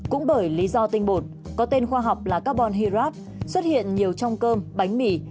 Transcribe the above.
cũng bởi lý do tinh bột có tên khoa học là carbon hydrab xuất hiện nhiều trong cơm bánh mì